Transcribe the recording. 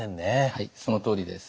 はいそのとおりです。